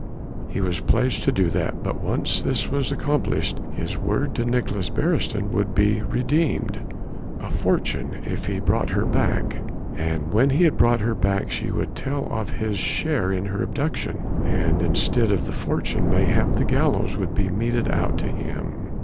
He was pledged to do that, but once this was accomplished his word to Nicolaes Beresteyn would be redeemed. A fortune if he brought her back! And when he had brought her back she would tell of his share in her abduction, and instead of the fortune mayhap the gallows would be meted out to him.